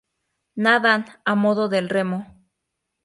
Nadan a modo de remo.